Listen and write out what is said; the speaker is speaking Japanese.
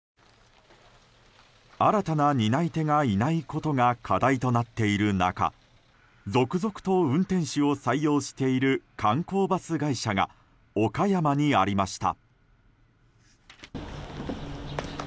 新たな担い手がいないことが課題となっている中続々と運転手を採用している観光バス会社が岡山にありました。